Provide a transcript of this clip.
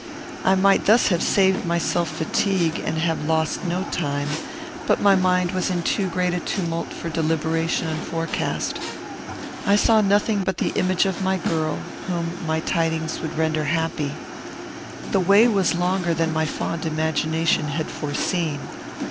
I might thus have saved myself fatigue, and have lost no time; but my mind was in too great a tumult for deliberation and forecast. I saw nothing but the image of my girl, whom my tidings would render happy. The way was longer than my fond imagination had foreseen.